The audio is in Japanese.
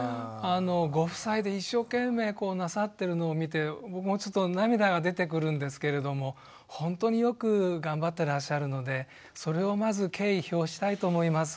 ご夫妻で一生懸命なさってるのを見て僕もちょっと涙が出てくるんですけれどもほんとによく頑張ってらっしゃるのでそれをまず敬意表したいと思います。